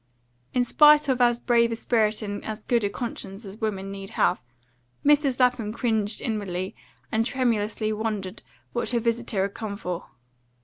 In spite of as brave a spirit and as good a conscience as woman need have, Mrs. Lapham cringed inwardly, and tremulously wondered what her visitor had come for.